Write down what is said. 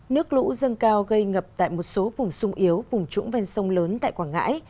nước lũ dâng cao gây ngập tại một số vùng sung yếu vùng trũng ven sông lớn tại quảng ngãi